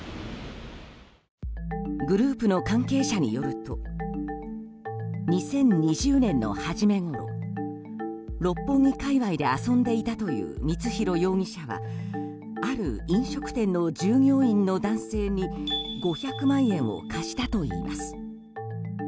グループの関係者によると２０２０年の初めごろ六本木界隈で遊んでいたという光弘容疑者はある飲食店の従業員の男性に５００万円を貸したといいます。